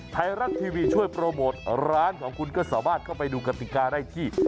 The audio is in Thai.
ไทยรัฐทีวีช่วยโปรโมทร้านของคุณก็สามารถเข้าไปดูกติกาได้ที่